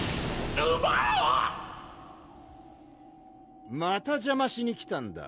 ウバまた邪魔しに来たんだ？